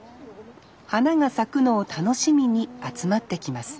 花が咲くのを楽しみに集まってきます